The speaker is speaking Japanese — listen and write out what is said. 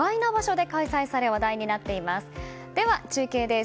では、中継です。